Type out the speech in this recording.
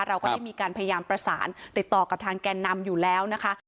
เราก็ได้มีการพยายามประสานติดต่อกับทางแก่นำอยู่แล้วนะคะ